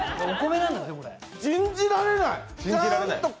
信じられない。